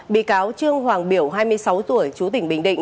bị cáo trương hoàng biểu hai mươi sáu tuổi chú tỉnh bình định